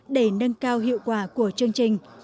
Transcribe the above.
để nâng cao hiệu quả của chương trình